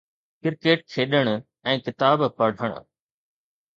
Cricket کيڏڻ ۽ ڪتاب پڙهڻ.